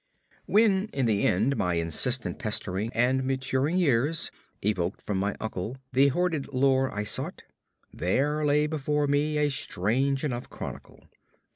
When, in the end, my insistent pestering and maturing years evoked from my uncle the hoarded lore I sought, there lay before me a strange enough chronicle.